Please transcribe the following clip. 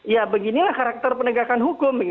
ya beginilah karakter penegakan hukum